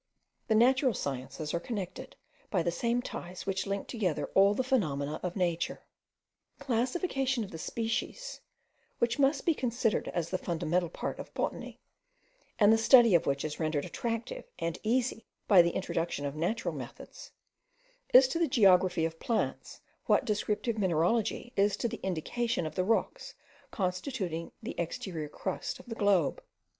The natural sciences are connected by the same ties which link together all the phenomena of nature. The classification of the species, which must be considered as the fundamental part of botany, and the study of which is rendered attractive and easy by the introduction of natural methods, is to the geography of plants what descriptive mineralogy is to the indication of the rocks constituting the exterior crust of the globe.